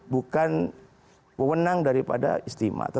bukan pemenang daripada istimewa